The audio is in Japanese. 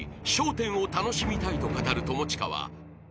１０を楽しみたいと語る友近は］